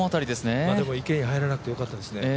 でも池に入らなくてよかったですね。